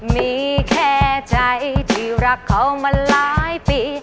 มีแค่ใจที่รักเขามาหลายปี